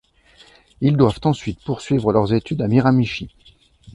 Ils doivent ensuite poursuivre leurs études à Miramichi.